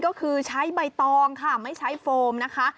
ก็คือใช้ใบตองค่ะไม่ใช้โฟมนะคะ